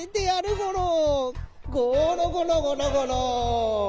ゴロゴロゴロゴロ。